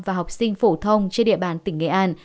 và học sinh phổ thông trên địa bàn tỉnh nghệ an